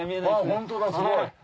ホントだすごい。